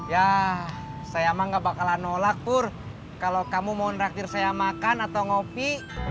ya saya emang gak bakalan nolak pur kalau kamu mohon raktir saya makan atau ngopi